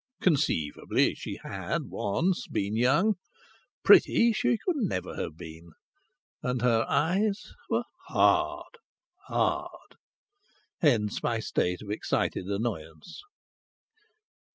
Conceivably she had once been young; pretty she could never have been. And her eyes were hard hard. Hence my state of excited annoyance.